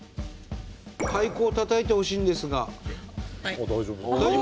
太鼓をたたいてほしいんですが。